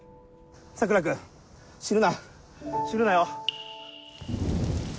桜君死ぬな死ぬなよ